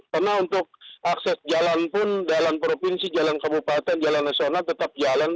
karena untuk akses jalan pun jalan provinsi jalan kebupatan jalan nasional tetap jalan